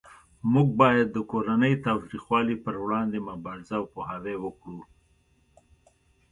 موږ باید د کورنۍ تاوتریخوالی پروړاندې مبارزه او پوهاوی وکړو